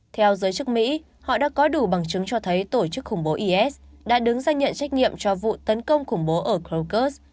theo giới chức mỹ họ đã có đủ bằng chứng cho thấy tổ chức khủng bố is đã đứng ra nhận trách nhiệm cho vụ tấn công khủng bố ở krokus